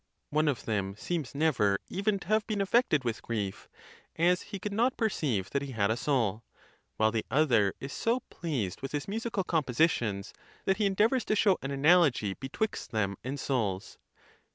One of them seems never even to have been affected with grief, as he could not perceive that he had a soul; while the other is so pleased with his musical compositions that he endeavors to show an analogy be twixt them and souls.